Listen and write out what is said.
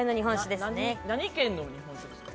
何県の日本酒ですか？